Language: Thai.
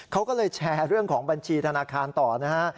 เขาก็เลยแชร์เรื่องของบัญชีธนาคารต่อนะฮะ